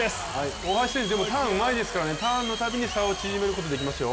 大橋選手、ターンうまいですから、ターンのたびに差を縮めることできますよ。